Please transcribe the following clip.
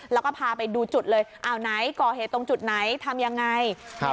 แล้วก็พาไปดูจุดเลยอ้าวไหนก่อเหตุตรงจุดไหนทำยังไง